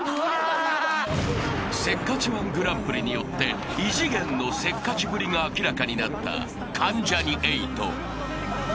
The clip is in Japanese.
［せっかち−１グランプリによって異次元のせっかちぶりが明らかになった関ジャニ∞］